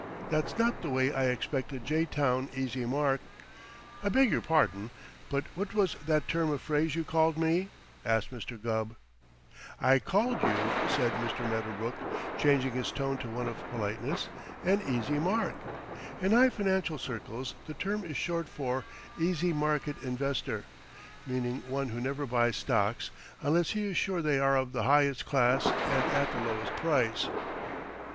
That's not the way I expect a jay town easy mark " "I beg your pardon, but what was that term of phrase you called me?" asked Mr. Gubb. "I called you," said Mr. Medderbrook, changing his tone to one of politeness, "an easy mark. In high financial circles the term is short for 'easy market investor,' meaning one who never buys stocks unless he is sure they are of the highest class and at the lowest price."